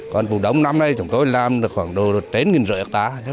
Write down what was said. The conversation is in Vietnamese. còn vùng đống năm nay chúng tôi làm khoảng một mươi năm trăm linh hectare